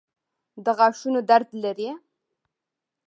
د غاښونو درد لرئ؟